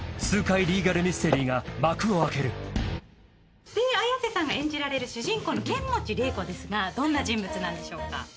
［痛快リーガルミステリーが幕を開ける］で綾瀬さんが演じられる主人公の剣持麗子ですがどんな人物なんでしょうか？